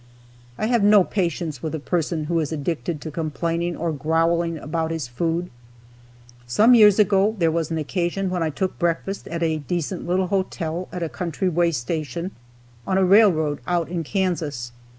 I have no patience with a person who is addicted to complaining or growling about his food. Some years ago there was an occasion when I took breakfast at a decent little hotel at a country way station on a railroad out in Kansas.